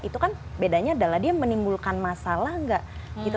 itu kan bedanya adalah dia menimbulkan masalah nggak gitu